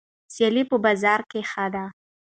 سیالي په بازار کې ښه ده.